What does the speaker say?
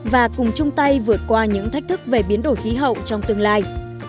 và cùng chung tay vượt qua những thách thức về biến đổi khí hậu trong tương lai